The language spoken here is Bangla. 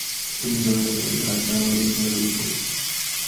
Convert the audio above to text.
তুমি দরজা থেকে হাত নামালেই ঘরে ঢুকব।